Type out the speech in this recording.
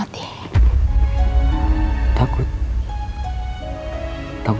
sebelum kamu datang